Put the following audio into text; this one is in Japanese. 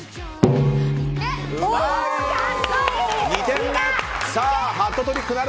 ２点目！